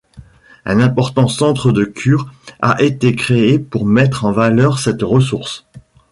Un important centre de cure a été créé pour mettre en valeur cette ressource.